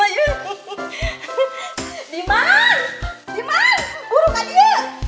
ya udah ina